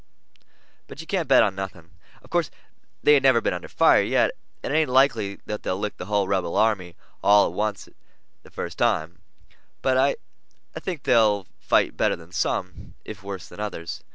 But you can't bet on nothing. Of course they ain't never been under fire yet, and it ain't likely they'll lick the hull rebel army all to oncet the first time; but I think they'll fight better than some, if worse than others.